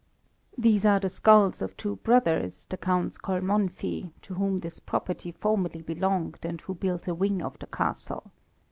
"These are the skulls of two brothers, the Counts Kalmanffy, to whom this property formerly belonged, and who built a wing of the castle.